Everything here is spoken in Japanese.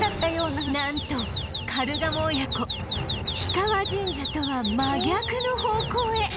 なんとカルガモ親子氷川神社とは真逆の方向へ